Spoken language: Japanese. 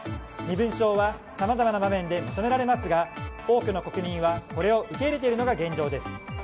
身分証はさまざまな場面で求められますが多くの国民はこれを受け入れているのが現状です。